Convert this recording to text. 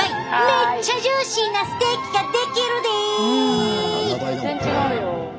めっちゃジューシーなステーキが出来るで！